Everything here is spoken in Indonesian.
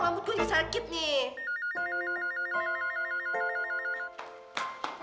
lambut gue udah sakit nih